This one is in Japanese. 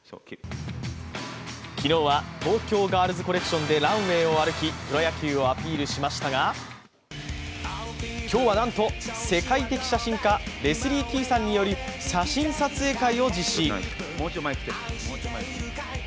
昨日は東京ガールズコレクションでランウェイを歩きプロ野球をアピールしましたが今日はなんと、世界的写真家レスリー・キーさんによる写真撮影会を実施。